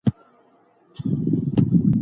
هغه مشر چي د پښتنو خدمت کوي، د قدر وړ دی.